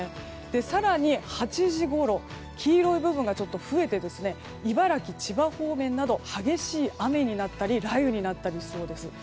更に、８時ごろ黄色い部分が増えて茨城、千葉方面など激しい雨になったり雷雨になったりしそうです。